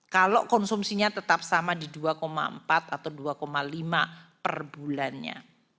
kalau konsumsinya tetap sama di dua empat atau dua lima per bulannya